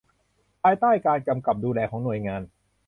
ภายใต้การกำกับดูแลของหน่วยงาน